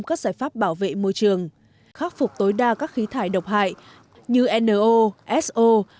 các giải pháp bảo vệ môi trường khắc phục tối đa các khí thải độc hại như no so